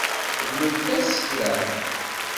Txedmemt-as kra?